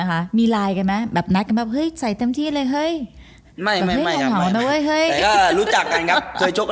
เปรียบเทียบหรอ